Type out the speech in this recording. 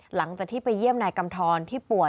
หลังจากที่ไปเยี่ยมนายกำทรที่ป่วย